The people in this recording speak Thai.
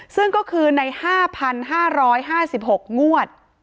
ซึ่งก็คือใน๕๕๖งวด